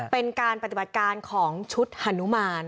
เป็นการปฏิบัติการของชุดฮานุมาน